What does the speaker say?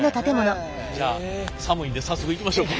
じゃあ寒いんで早速行きましょうか。